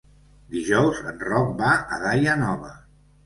Dijous en Roc va a Daia Nova.